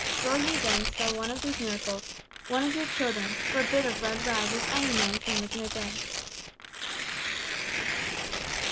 Will you, then, sell one of these miracles, one of your children, for a bit of red rag which any man can make in a day?"